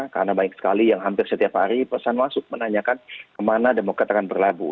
karena banyak sekali yang hampir setiap hari pesan masuk menanyakan kemana demokrat akan berlabuh